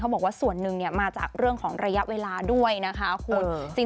บอกว่าส่วนหนึ่งมาจากเรื่องของระยะเวลาด้วยนะคะคุณ